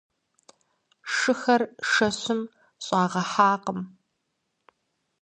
Шыхэр шэщым щӀагъэхьакъым.